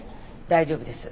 大丈夫です。